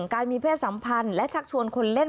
การมีเพศสัมพันธ์และชักชวนคนเล่น